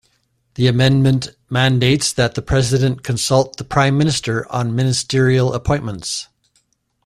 The amendment mandates that the president consult the prime minister on ministerial appointments.